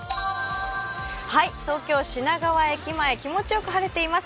東京・品川駅前、気持ちよく晴れています。